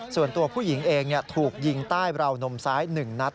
ส่วนตัวผู้หญิงเองถูกยิงใต้ราวนมซ้าย๑นัด